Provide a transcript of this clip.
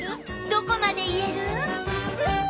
どこまでいえる？